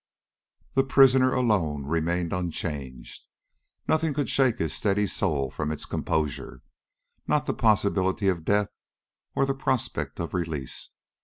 The prisoner alone remained unchanged. Nothing could shake his steady soul from its composure, not the possibility of death or the prospect of release.